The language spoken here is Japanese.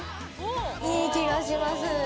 いい気がします。